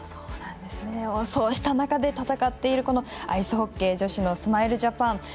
そうした中で戦っているアイスホッケー女子のスマイルジャパン。